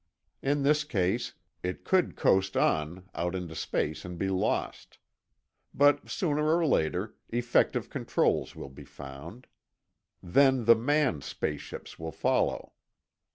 In this case, it could coast on out into space and be lost. But sooner or later, effective controls will be found. Then the manned space ships will follow.